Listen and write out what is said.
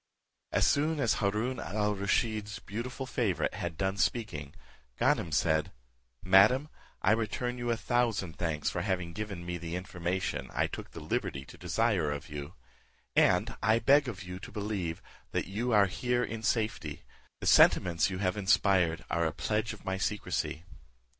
As soon as Haroon al Rusheed's beautiful favourite had done speaking, Ganem said, "Madam, I return you a thousand thanks for having given me the information I took the liberty to desire of you; and I beg of you to believe, that you are here in safety; the sentiments you have inspired are a pledge of my secrecy.